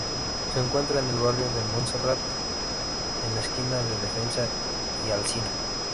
Se encuentra en el barrio de Monserrat, en la esquina de Defensa y Alsina.